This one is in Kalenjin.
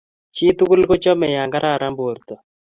jii tugul ko chame ya kararan borto